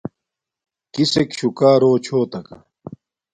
کِسݵک شُکݳ رݸچھݸتِکݳ؟